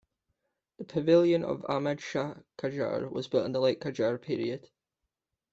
The pavilion of Ahmad Shah Qajar was built in the late Qajar period.